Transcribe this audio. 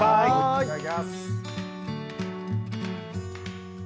いただきます。